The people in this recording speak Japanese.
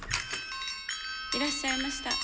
いらっしゃいました。